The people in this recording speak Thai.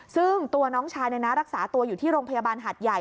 ซึ่งตัวน้องชายรักษาตัวอยู่ที่โรงพยาบาลหัดใหญ่